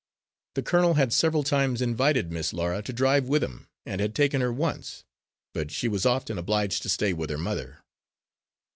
The colonel had several times invited Miss Laura to drive with him, and had taken her once; but she was often obliged to stay with her mother.